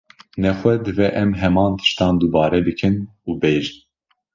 Nexwe, divê em heman tiştan dubare bikin û bêjin